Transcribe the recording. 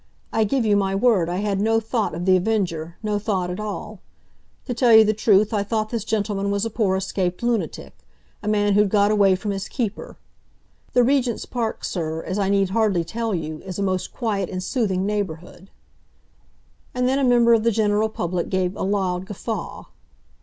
I give you my word, I had no thought of The Avenger, no thought at all. To tell you the truth, I thought this gentleman was a poor escaped lunatic, a man who'd got away from his keeper. The Regent's Park, sir, as I need hardly tell you, is a most quiet and soothing neighbourhood—" And then a member of the general public gave a loud guffaw.